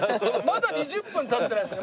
まだ２０分経ってないです。